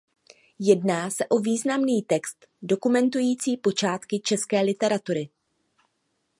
Jedná se o významný text dokumentující počátky české literatury.